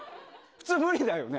普通無理だよね？